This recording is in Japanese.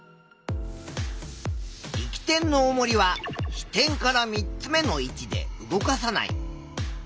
力点のおもりは支点から３つ目の位置で動かさない。